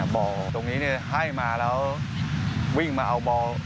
บ่อตรงนี้ให้มาแล้ววิ่งมาเอาบ่อ